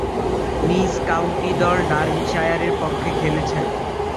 নিজ কাউন্টি দল ডার্বিশায়ারের পক্ষে খেলেছেন।